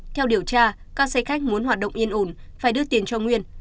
theo điều tra các xe khách muốn hoạt động yên ổn phải đưa tiền cho nguyên